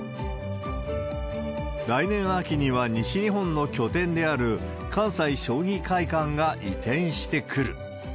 来年秋には、西日本の拠点である関西将棋会館が移転してくる。